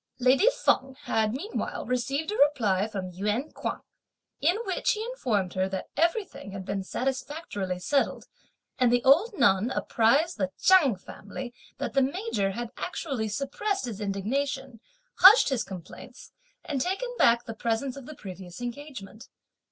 Lady Feng had meanwhile received a reply from Yün Kuang, in which he informed her that everything had been satisfactorily settled, and the old nun apprised the Chang family that the major had actually suppressed his indignation, hushed his complaints, and taken back the presents of the previous engagement.